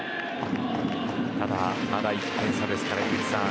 ただ、まだ１点差ですから井口さん